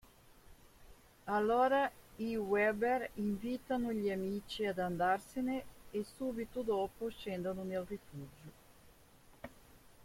Allora i Webber invitano gli amici ad andarsene e subito dopo scendono nel rifugio.